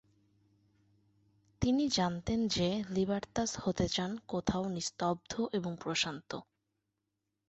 তিনি জানতেন যে লিবার্তাস হতে চান কোথাও নিস্তব্ধ এবং প্রশান্ত।